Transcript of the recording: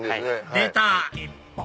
出た！